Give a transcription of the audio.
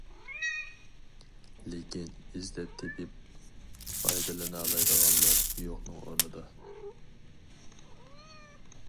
لېكىن ئىزدەپ تېپىپ پايدىلىنالايدىغانلار يوقنىڭ ئورنىدا.